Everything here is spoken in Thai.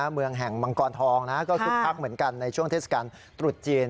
เมืองแห่งมังกรทองนะก็คึกคักเหมือนกันในช่วงเทศกาลตรุษจีน